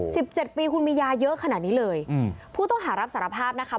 สิบเจ็ดปีคุณมียาเยอะขนาดนี้เลยอืมผู้ต้องหารับสารภาพนะคะ